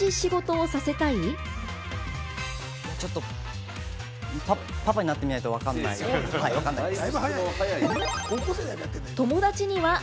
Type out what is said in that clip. ちょっと、パパになってみないとわかんない、わかんないです。